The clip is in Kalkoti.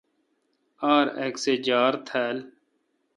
ار اک سہ جار تھال۔